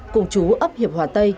cùng chú ấp hiệp hòa tây